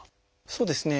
そうですね。